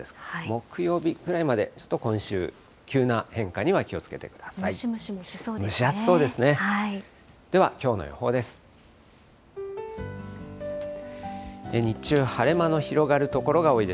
木曜日ぐらいまでちょっと今週、急な変化には気をつけてください。